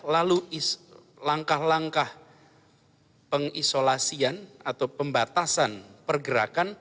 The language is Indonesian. lalu langkah langkah pengisolasian atau pembatasan pergerakan